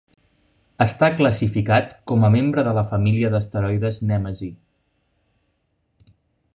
Està classificat com a membre de la família d'asteroides Nemesis.